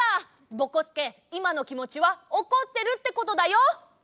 ぼこすけいまのきもちはおこってるってことだよ！